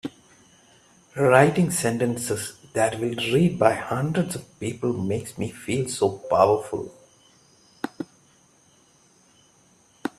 Writing sentences that will be read by hundreds of people makes me feel so powerful!